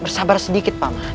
bersabar sedikit paman